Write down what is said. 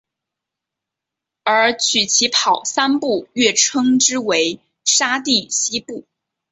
而取其跑三步跃称之为沙蒂希步。